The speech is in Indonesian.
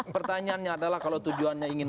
pertanyaannya adalah kalau tujuannya ingin